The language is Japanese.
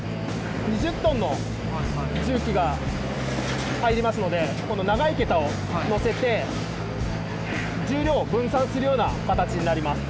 ２０ｔの重機が入りますのでこの長い桁をのせて重量を分散するような形になります。